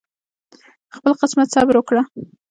خپل قسمت صبر وکړه